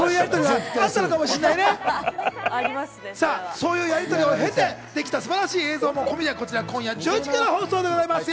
そういうやりとりを経て、素晴らしい映像、今夜１０時から放送でございますよ。